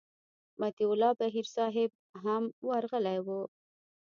مطیع الله بهیر صاحب هم ورغلی و.